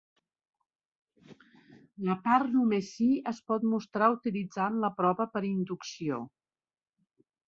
La part "només si" es pot mostrar utilitzant la prova per inducció.